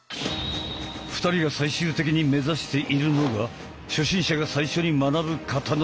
２人が最終的に目指しているのが初心者が最初に学ぶ形のひとつ